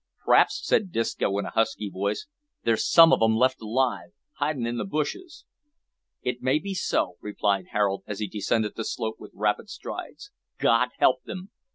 "P'raps," said Disco, in a husky voice, "there's some of 'em left alive, hidin' in the bushes." "It may be so," replied Harold, as he descended the slope with rapid strides. "God help them!"